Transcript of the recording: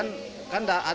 ngambil dagingnya dari rumah